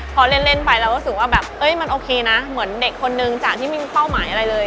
พอเล่นไปเราก็รู้สึกว่าแบบมันโอเคนะเหมือนเด็กคนนึงจากที่ไม่มีเป้าหมายอะไรเลย